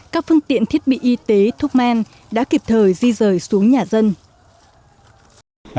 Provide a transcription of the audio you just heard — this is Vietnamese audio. các phương tiện thiết bị y tế thuốc men đã kịp thời di rời xuống nhà dân